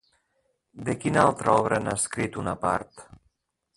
De quina altra obra n'ha escrit una part?